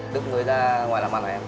đức người ra ngoài làm ăn hả em